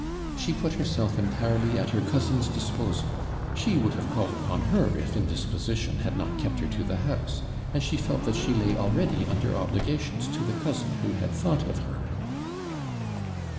She put herself entirely at her cousin's disposal. She would have called upon her if indisposition had not kept her to the house, and she felt that she lay already under obligations to the cousin who had thought of her."